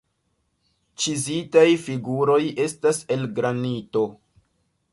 Ĉizitaj figuroj estas el granito.